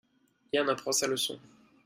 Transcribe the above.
Yann apprend sa leçon.